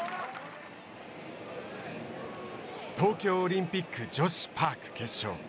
東京オリンピック女子パーク決勝。